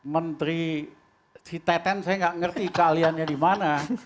menteri si tetan saya tidak mengerti kalian dimana